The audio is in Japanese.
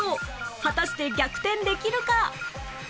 果たして逆転できるか！？